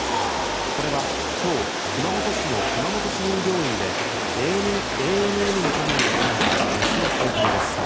これは今日熊本市の熊本市民病院でＡＮＮのカメラが捉えたメスの生体です。